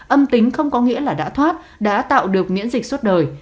âm tính không có nghĩa là đã thoát đã tạo được miễn dịch suốt đời